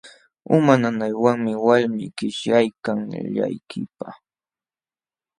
Uma nanaywanmi walmii qishyaykan llakiypaq.